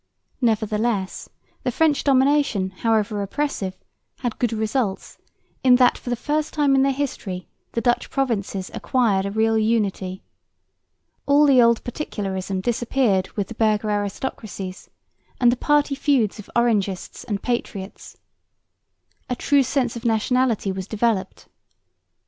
Nevertheless the French domination, however oppressive, had good results in that for the first time in their history the Dutch provinces acquired a real unity. All the old particularism disappeared with the burgher aristocracies, and the party feuds of Orangists and patriots. A true sense of nationality was developed.